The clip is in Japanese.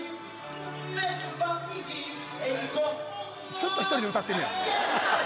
ずっと１人で歌ってるやん。